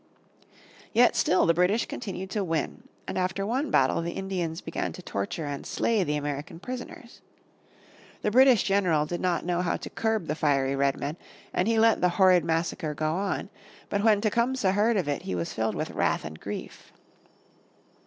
Yet still the British continued to win, and after one battle the Indians began to torture and slay the American prisoners. The British general did not know how to curb the fiery Redmen, and he let the horrid massacre go on. But when Tecumseh heard of it he was filled with wrath and grief.